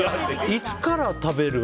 いつから食べる？